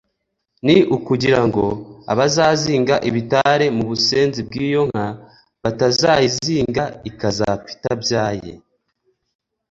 ni ukugirango abazazinga ibitare mu busenzi bw’iyo nka batazayizinga ikazpfa itabyaye